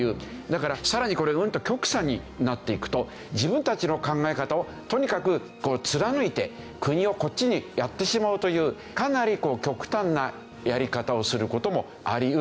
だからさらにこれうんと極左になっていくと自分たちの考え方をとにかく貫いて国をこっちにやってしまうというかなり極端なやり方をする事もあり得る。